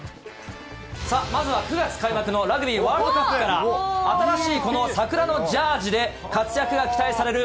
まずは９月開幕のラグビーワールドカップから、新しいこの桜のジャージで、活躍が期待される